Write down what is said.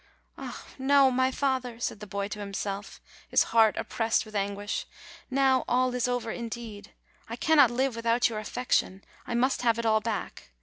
"Ah, no! my father," said the boy to himself, his heart oppressed with anguish, "now all is over indeed ; I cannot live without your affection ; I must have it all back.